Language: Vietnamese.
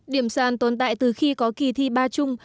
điểm sàn tồn tại từ khi có kỳ thi ba chung